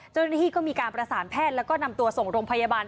เจ้าหน้าที่ก็มีการประสานแพทย์แล้วก็นำตัวส่งโรงพยาบาล